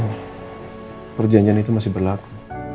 harus mau perjanjian itu masih berlaku